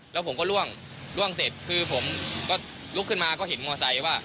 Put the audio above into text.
แล้วผมก็ล่วงล่วงเสร็จคือผมก็ลุกขึ้นมาก็เห็นมอไซค์ว่า